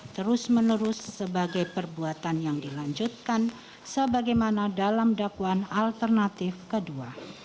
terus menerus sebagai perbuatan yang dilanjutkan sebagaimana dalam dakwaan alternatif kedua